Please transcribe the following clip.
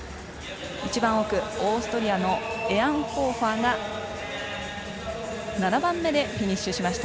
一番奥、オーストリアのエアンホーファーが７番目でフィニッシュしました。